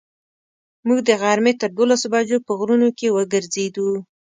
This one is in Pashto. موږ د غرمې تر دولسو بجو په غرونو کې وګرځېدو.